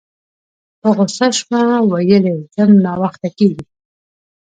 په غوسه شوه ویل یې ځم ناوخته کیږي